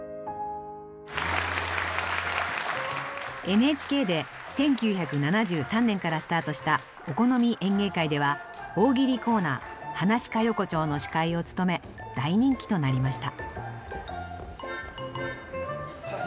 ＮＨＫで１９７３年からスタートした「お好み演芸会」では大喜利コーナー「はなし家横丁」の司会を務め大人気となりました。